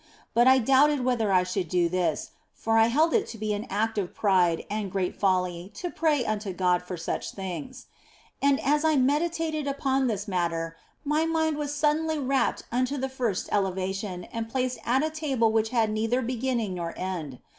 But I doubted whether I should do this, for I held it to be an act of pride and great folly to pray unto God for such things. And as I meditated upon this matter, my mind was suddenly rapt unto the first elevation, and placed at a table which had neither beginning nor end.